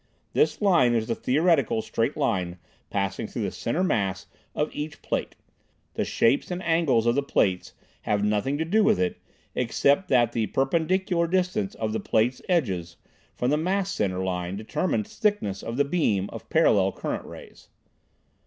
This line is the theoretical straight line passing through the mass center of each plate. The shapes and angles of the plates have nothing to do with it, except that the perpendicular distance of the plate edges from the mass center line determines thickness of the beam of parallel current rays.